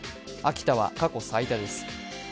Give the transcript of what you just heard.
秋田は過去最多です。